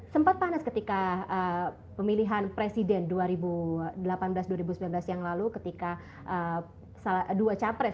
sempat panas ketika pemilihan presiden dua ribu delapan belas dua ribu sembilan belas yang lalu ketika dua capres